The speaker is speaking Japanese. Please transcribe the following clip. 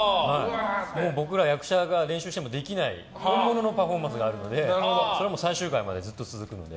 僕ら役者が練習してもできない本物のパフォーマンスがあるのでそれは最終回までずっと続くので。